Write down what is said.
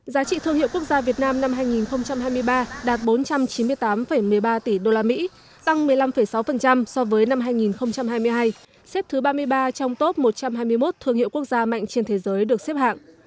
giá trị thương hiệu quốc gia việt nam năm hai nghìn hai mươi ba đạt bốn trăm chín mươi tám một mươi ba tỷ usd tăng một mươi năm sáu so với năm hai nghìn hai mươi hai xếp thứ ba mươi ba trong top một trăm hai mươi một thương hiệu quốc gia mạnh trên thế giới được xếp hạng